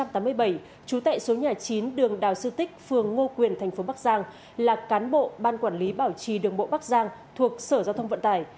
trú tại số nhà chín đường đào sư tích phường ngô quyền thành phố bắc giang là cán bộ ban quản lý bảo trì đường bộ bắc giang thuộc sở giao thông vận tải